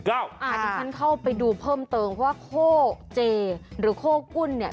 เดี๋ยวฉันเข้าไปดูเพิ่มเติมว่าโคเจหรือโคกุ้นเนี่ย